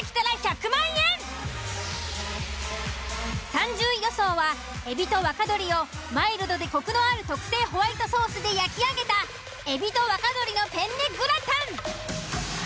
３０位予想は海老と若鶏をマイルドでコクのある特製ホワイトソ―スで焼き上げた海老と若鶏のペンネグラタン。